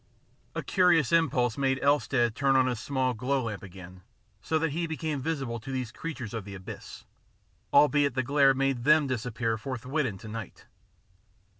A curious impulse made Elstead turn on his small glow lamp again, so that he became visible to these creatures of the abyss, albeit the glare made them disappear forthwith into night.